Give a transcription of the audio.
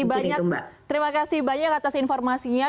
oke terima kasih banyak atas informasinya